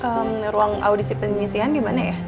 pak ruang audisi pengisian dimana ya